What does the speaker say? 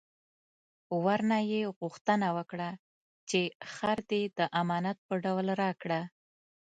ورنه یې غوښتنه وکړه چې خر دې د امانت په ډول راکړه.